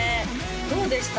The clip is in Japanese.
どうでした？